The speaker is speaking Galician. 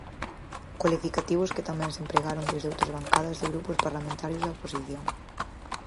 Cualificativos que tamén se empregaron desde outras bancadas de grupos parlamentarios da oposición.